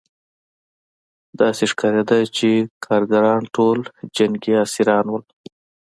داسې ښکارېده چې کارګران ټول جنګي اسیران وو